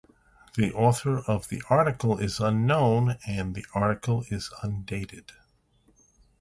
The author of the article is unknown and the article is undated.